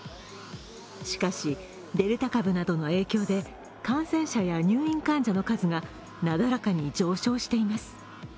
しかし、デルタ株などの影響で感染者や入院患者の数がなだらかに上昇しています。